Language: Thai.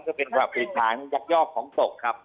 ก็เป็นความปริศาลยักยอกของตกครับ